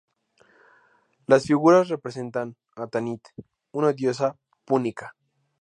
Las figuras representan a Tanit, una diosa púnica.